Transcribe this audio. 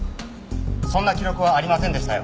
そんな記録はありませんでしたよ。